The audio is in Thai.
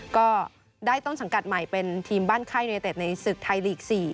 ก็ได้ต้นสังกัดใหม่เป็นทีมบ้านไข้ยูเนเต็ดในศึกไทยลีก๔